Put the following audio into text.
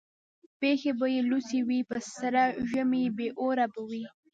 پښې به یې لوڅي وي په سره ژمي بې اوره به وي